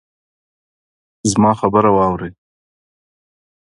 زما خبره واورئ